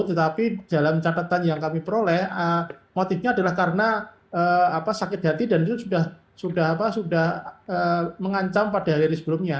tetapi dalam catatan yang kami peroleh motifnya adalah karena sakit hati dan itu sudah mengancam pada hari hari sebelumnya